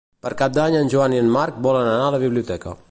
Per Cap d'Any en Joan i en Marc volen anar a la biblioteca.